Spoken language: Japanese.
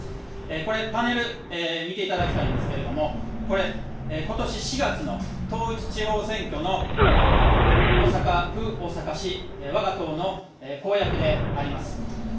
これ、パネル見ていただきたいんですけれども、これ、ことし４月の統一地方選挙の大阪府大阪市、わが党の公約であります。